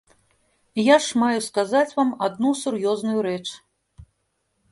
Я ж маю сказаць вам адну сур'ёзную рэч.